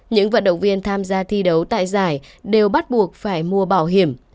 những vận động viên tham gia thi đấu tại giải đều bắt buộc phải mua bảo hiểm